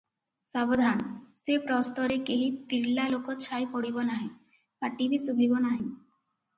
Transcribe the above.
ସାବଧାନ! ସେ ପ୍ରସ୍ତରେ କେହି ତିର୍ଲା ଲୋକ ଛାଇ ପଡ଼ିବ ନାହିଁ – ପାଟି ବି ଶୁଭିବ ନାହିଁ ।